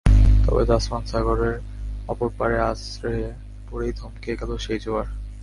তবে তাসমান সাগরের অপর পাড়ে আছড়ে পড়েই থমকে গেল সেই জোয়ার।